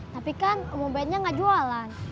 tapi kan omobetnya gak jualan